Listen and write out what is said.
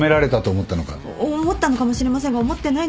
思ったのかもしれませんが思ってないのかもしれませんが。